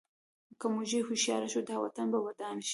که موږ هوښیار شو، دا وطن به ودان شي.